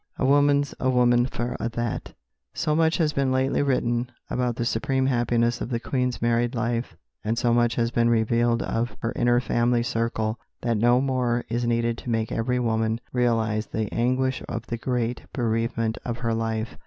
A woman's a woman "for a' that." So much has lately been written about the supreme happiness of the Queen's married life, and so much has been revealed of her inner family circle, that no more is needed to make every woman realise the anguish of the great bereavement of her life.